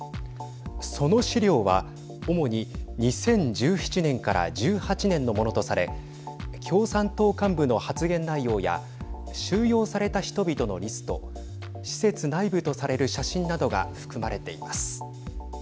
その資料は主に２０１７年から１８年のものとされ共産党幹部の発言内容や収容された人々のリスト施設内部とされる写真などが含まれています。